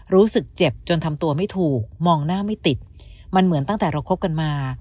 รู้สึกเจ็บจนทำตัวไม่ถูกมองหน้าไม่ติดมันเหมือนตั้งแต่เราคบกันมา